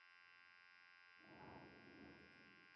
La sociedad acepta a todos en ella.